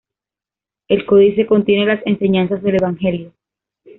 El códice contiene las enseñanzas del Evangelio.